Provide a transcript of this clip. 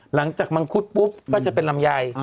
หลังจากมังคุศปุ๊บก็จะเป็นลำไย